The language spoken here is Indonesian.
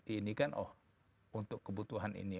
ini kan oh untuk kebutuhan ini